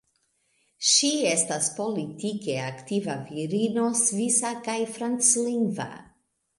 Ŝi estas politike aktiva virino svisa kaj franclingva.